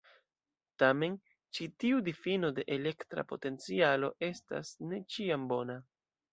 Tamen, ĉi tiu difino de elektra potencialo estas ne ĉiam bona.